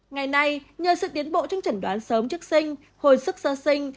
ngày nay nhờ sự tiến bộ trong chẩn đoán sớm trước sinh hồi sức sơ sinh